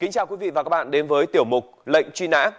xin chào quý vị và các bạn đến với tiểu mục lệnh truy nã